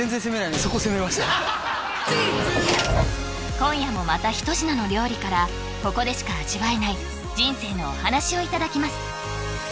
今夜もまた一品の料理からここでしか味わえない人生のお話をいただきます